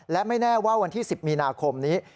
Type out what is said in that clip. และไม่แน่ว่าวันที่๑๐มีนาคมนี้